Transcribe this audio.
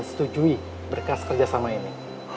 dan setujui berkas kerjasama ini